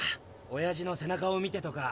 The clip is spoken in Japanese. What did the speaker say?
「おやじの背中を見て」とか？